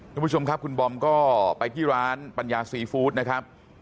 คุณผู้ชมครับคุณบอมก็ไปที่ร้านปัญญาซีฟู้ดนะครับ